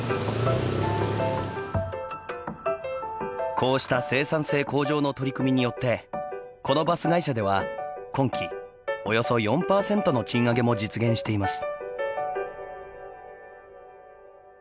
こうした生産性向上の取り組みによってこのバス会社では今期、およそ４％の賃上げも実現しています。